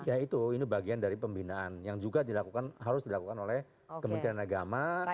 ya itu ini bagian dari pembinaan yang juga harus dilakukan oleh kementerian agama